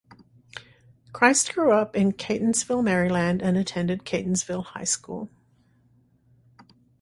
Christ grew up in Catonsville, Maryland and attended Catonsville High School.